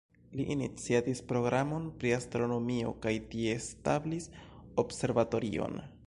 Li iniciatis programon pri astronomio kaj tie establis observatorion.